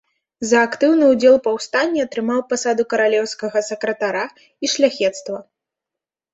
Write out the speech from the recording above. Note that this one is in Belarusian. За актыўны ўдзел у паўстанні атрымаў пасаду каралеўскага сакратара і шляхецтва.